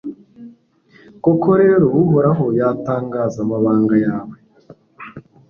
koko rero, uhoraho yatangaza amabanga yawe